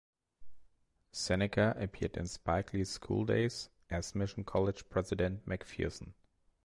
Seneca appeared in Spike Lee's "School Daze" as Mission College President McPherson.